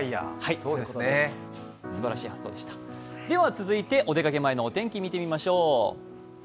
続いて、お出かけ前のお天気を見てみましょう。